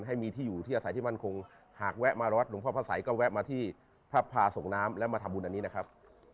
ให้มีที่อยู่ที่อาศัยที่มั่นคงหากแวะมาวัดหลวงพ่อพระสัยก็แวะมาที่พระพาส่งน้ำและมาทำบุญอันนี้นะครับ